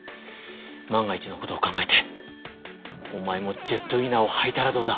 万が一のことを考えておまえもジェットウィナーをはいたらどうだ？